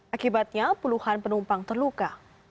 akibatnya puluhan penumpang terluka